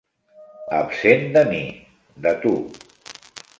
Absent de mi, de tu.